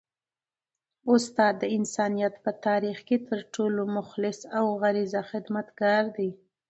استاد د انسانیت په تاریخ کي تر ټولو مخلص او بې غرضه خدمتګار دی.